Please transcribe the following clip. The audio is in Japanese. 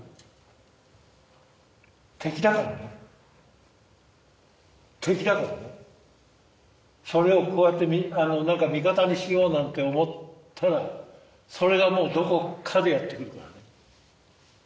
敵だからね敵だからねそれをこうやって何か味方にしようなんて思ったらそれがもうどこかでやって来るからね